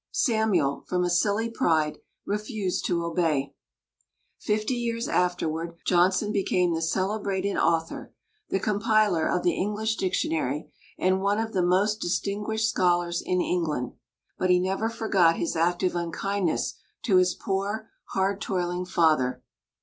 Samuel, from a silly pride, refused to obey. Fifty years afterward Johnson became the celebrated author, the compiler of the English Dictionary, and one of the most distinguished scholars in England; but he never forgot his act of unkindness to his poor, hard toiling father.